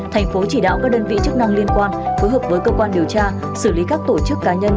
thành phố chỉ đạo các đơn vị chức năng liên quan phối hợp với cơ quan điều tra xử lý các tổ chức cá nhân